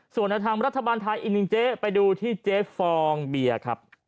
ส่วนในทางรัฐบาลไทยอีกหนึ่งเจ๊ไปดูที่เจ๊ฟองเบียร์ครับ